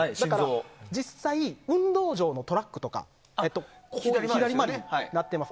実際、運動場のトラックとか左回りになってます。